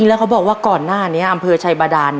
นับไปด้วย